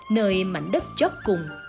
nơi mảnh đất chót cùng